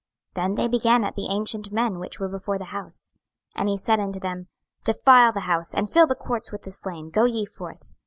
Then they began at the ancient men which were before the house. 26:009:007 And he said unto them, Defile the house, and fill the courts with the slain: go ye forth.